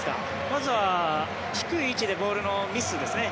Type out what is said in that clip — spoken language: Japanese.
まずは低い位置でボールのミスですね